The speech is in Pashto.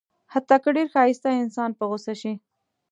حتی که ډېر ښایسته انسان په غوسه شي.